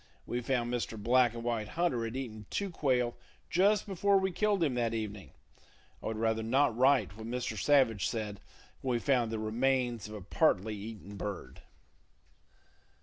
We found Mr. Black and White Hunter had eaten two quail just before we killed him that evening. I would rather not write what Mr. Savage said when we found the remains of a partly eaten bird.